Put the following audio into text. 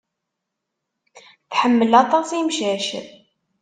Tḥemmel aṭas imcac.